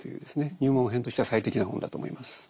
入門編としては最適な本だと思います。